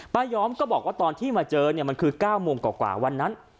ย้อมก็บอกว่าตอนที่มาเจอเนี่ยมันคือ๙โมงกว่าวันนั้น